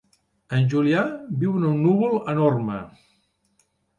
En Julià viu en un núvol enorme.